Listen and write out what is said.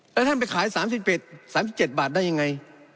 แล้วท่านไปขายสามสิบเอ็ดสามสิบเจ็ดบาทได้ยังไง